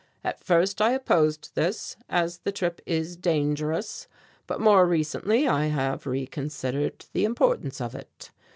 At first I opposed this, as the trip is dangerous, but more recently I have reconsidered the importance of it.